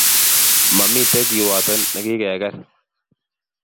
Mamitei kiwato nikikeker.